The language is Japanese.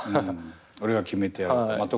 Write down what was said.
俺が決めてやると。